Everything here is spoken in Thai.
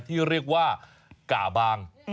ที่เรียกว่าก่าบาง